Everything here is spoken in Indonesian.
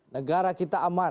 negara kita aman